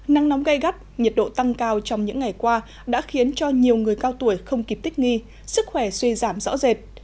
nắng nóng gây gắt nhiệt độ tăng cao trong những ngày qua đã khiến cho nhiều người cao tuổi không kịp tích nghi sức khỏe suy giảm rõ rệt